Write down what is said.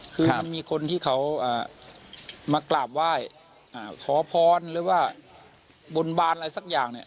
คือมันมีคนที่เขามากราบไหว้ขอพรหรือว่าบนบานอะไรสักอย่างเนี่ย